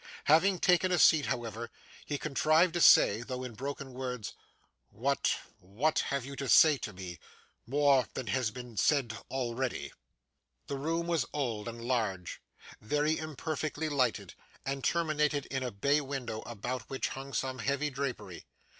Having taken a seat, however, he contrived to say, though in broken words, 'What what have you to say to me more than has been said already?' The room was old and large, very imperfectly lighted, and terminated in a bay window, about which hung some heavy drapery.